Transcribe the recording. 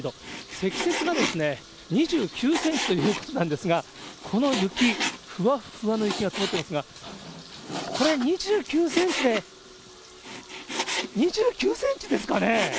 積雪が２９センチということなんですが、この雪、ふわふわの雪が積もってますが、これ、２９センチで、２９センチですかね。